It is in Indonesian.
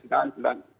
baik pak lenis